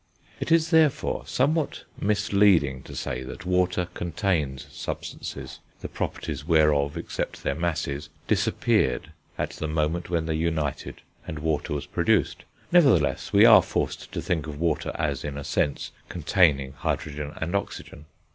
It is, therefore, somewhat misleading to say that water contains substances the properties whereof, except their masses, disappeared at the moment when they united and water was produced. Nevertheless we are forced to think of water as, in a sense, containing hydrogen and oxygen.